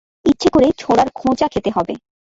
ইচ্ছে করে ছোড়ার খোঁচা খেতে হবে।